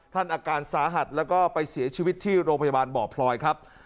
อาการสาหัสแล้วก็ไปเสียชีวิตที่โรงพยาบาลบ่อพลอยครับ